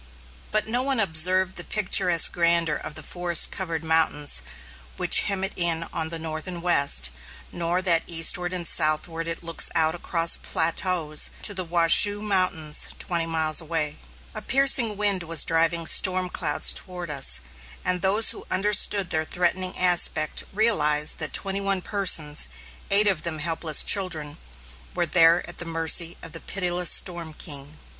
But no one observed the picturesque grandeur of the forest covered mountains which hem it in on the north and west; nor that eastward and southward it looks out across plateaus to the Washoe Mountains twenty miles away. A piercing wind was driving storm clouds toward us, and those who understood their threatening aspect realized that twenty one persons, eight of them helpless children, were there at the mercy of the pitiless storm king.